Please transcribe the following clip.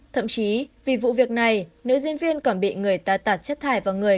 thậm chí vì vụ việc này nữ diễn viên còn bị người ta tạt chất thải vào người